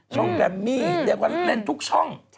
ช่องแบมมี่เดี๋ยวกว่าเล่นทุกช่อง